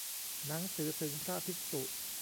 หนังสือถึงพระภิกษุ